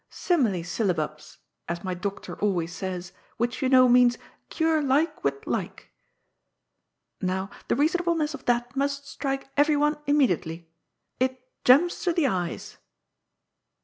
"'Simile syllabubs,' as my doctor al ways says, which, you know, means * cure like with like.' Now, the reasonableness of that must strike everyone imme ) diately. It ' jumps to the eyes.'